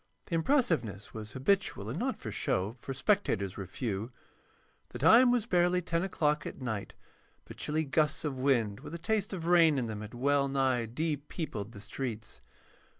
The impressiveness was habitual and not for show, for spectators were few. The time was barely 10 o'clock at night, but chilly gusts of wind with a taste of rain in them had well nigh de peopled the streets.